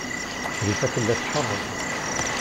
Crifa tella tcerreḍ.